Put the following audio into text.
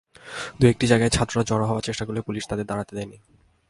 দু একটি জায়গায় ছাত্ররা জড়ো হওয়ার চেষ্টা করলে পুলিশ তাদের দাঁড়াতে দেয়নি।